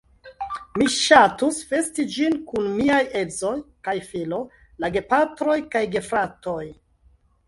Mi ŝatus festi ĝin kun miaj edzo kaj filo, la gepatroj kaj gefratoj.